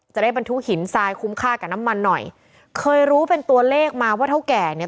จะได้บรรทุกหินทรายคุ้มค่ากับน้ำมันหน่อยเคยรู้เป็นตัวเลขมาว่าเท่าแก่เนี่ย